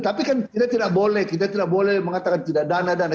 tapi kan kita tidak boleh kita tidak boleh mengatakan tidak dana dana